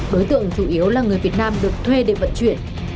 đối tượng chủ yếu là người việt nam được thuê để vận chuyển